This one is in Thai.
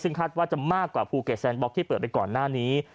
ซึ่งคาดว่าจะมากกว่าภูเก็ตแซนบล็อกที่เปิดไปก่อนหน้านี้